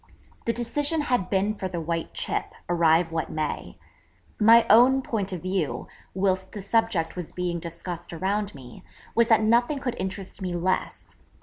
The decision had been for the white chip, arrive what may. My own point of view, whilst the subject was being discussed around me, was that nothing could interest me less.